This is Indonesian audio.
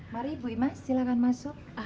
mari ibu ima silahkan masuk